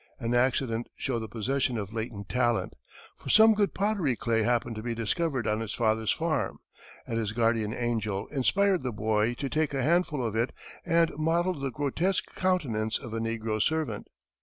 An accident showed the possession of latent talent, for some good pottery clay happened to be discovered on his father's farm, and his guardian angel inspired the boy to take a handful of it and model the grotesque countenance of a negro servant.